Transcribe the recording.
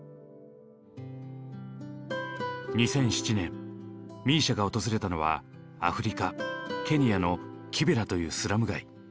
２００７年ＭＩＳＩＡが訪れたのはアフリカケニアのキベラというスラム街。